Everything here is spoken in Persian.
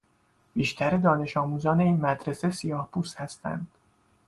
بیشتر دانش آموزان این مدرسه سیاهپوست هستند.